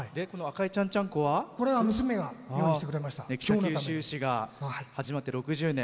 北九州市が始まって６０周年。